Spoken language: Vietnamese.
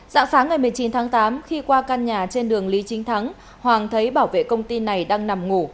dạng sáng ngày một mươi chín tháng tám khi qua căn nhà trên đường lý chính thắng hoàng thấy bảo vệ công ty này đang nằm ngủ